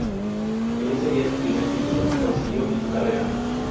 El sería su primer título que consiguió en su carrera.